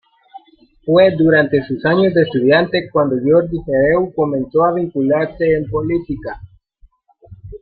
Fue durante sus años de estudiante cuando Jordi Hereu comenzó a vincularse en política.